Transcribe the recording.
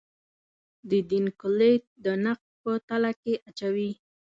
د دین کُلیت د نقد په تله کې اچوي.